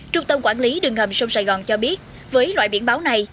trung tâm quản lý đường hầm sông sài gòn cho biết với loại biển báo này